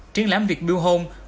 triển lãm việt build home